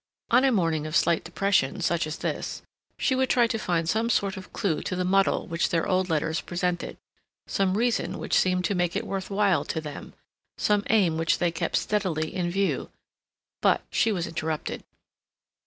On a morning of slight depression, such as this, she would try to find some sort of clue to the muddle which their old letters presented; some reason which seemed to make it worth while to them; some aim which they kept steadily in view—but she was interrupted.